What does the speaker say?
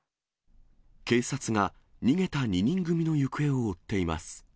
警察が逃げた２人組の行方を追っています。